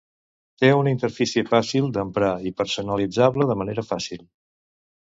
Té una interfície fàcil d'emprar i personalitzable de manera fàcil.